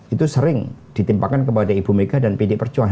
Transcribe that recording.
itu sering ditimpakan kepada ibu mega dan pd perjuangan